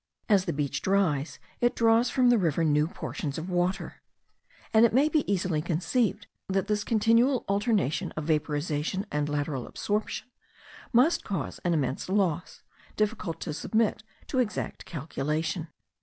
As the beach dries, it draws from the river new portions of water; and it may be easily conceived that this continual alternation of vaporization and lateral absorption must cause an immense loss, difficult to submit to exact calculation.